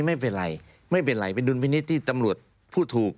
ไม่เป็นไรเป็นบิลพีเมทที่ตำรวจพูดถูก